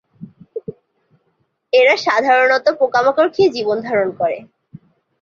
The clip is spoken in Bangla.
এরা সাধারণত পোকামাকড় খেয়ে জীবন ধারণ করে।